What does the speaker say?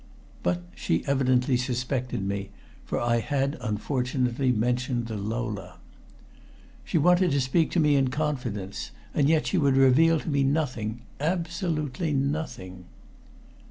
But she evidently suspected me, for I had unfortunately mentioned the Lola. She wanted to speak to me in confidence, and yet she would reveal to me nothing absolutely nothing.